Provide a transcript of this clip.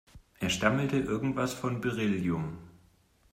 Er stammelte irgendwas von Beryllium.